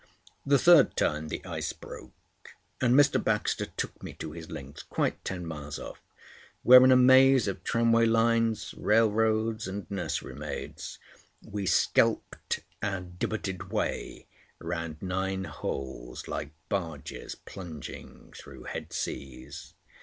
The third time the ice broke, and Mr. Baxter took me to his links, quite ten miles off, where in a maze of tramway lines, railroads, and nursery maids, we skelped our divotted way round nine holes like barges plunging through head seas.